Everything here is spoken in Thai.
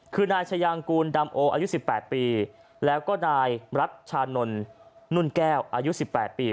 คือนายชายางกูลดำโออายุ๑๘ปีแล้วก็นายรัชชานนท์นุ่นแก้วอายุ๑๘ปี